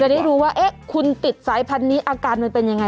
ได้รู้ว่าคุณติดสายพันธุ์นี้อาการมันเป็นยังไง